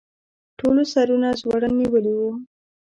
ټولو سرونه ځوړند نیولي وو.